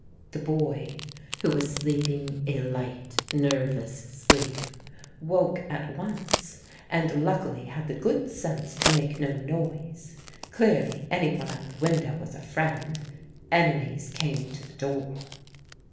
The boy, who was sleeping a light nervous sleep, woke at once and luckily had the good sense to make no noise. Clearly any one at the window was a friend; enemies came to the door.